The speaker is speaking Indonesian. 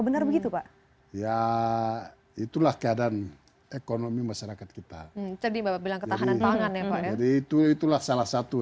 benar begitu pak ya itulah keadaan ekonomi masyarakat kita jadi itu itulah salah satu